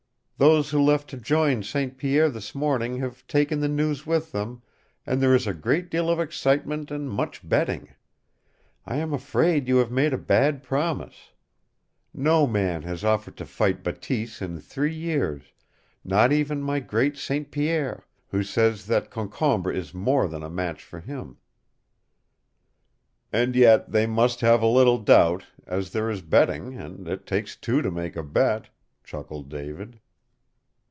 Those who left to join St. Pierre this morning have taken the news with them, and there is a great deal of excitement and much betting. I am afraid you have made a bad promise. No man has offered to fight Bateese in three years not even my great St. Pierre, who says that Concombre is more than a match for him." "And yet they must have a little doubt, as there is betting, and it takes two to make a bet," chuckled David.